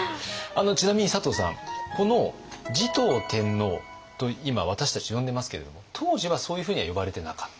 ちなみに佐藤さんこの持統天皇と今私たち呼んでますけれども当時はそういうふうには呼ばれてなかった？